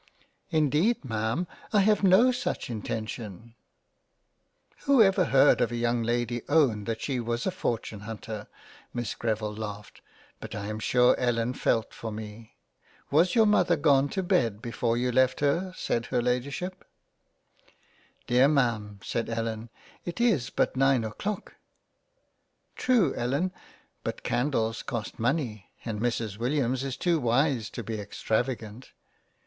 M Indeed Ma'am I have no such intention —"'' Who ever heard a young Lady own that she was a Fortune hunter ?" Miss Greville laughed but I am sure Ellen felt for me. " Was your Mother gone to bed before you left her ?" said her Ladyship, no { A COLLECTION OF LETTERS £" Dear Ma'am, said Ellen it is but nine o'clock." " True Ellen, but Candles cost money, and Mrs Williams is too wise to be extravagant."